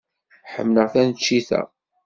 Ḥemmleɣ taneččit-a.